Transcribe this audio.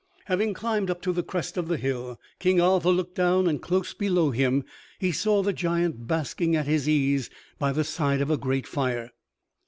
Having climbed up to the crest of the hill, King Arthur looked down, and close below him he saw the giant basking at his ease by the side of a great fire.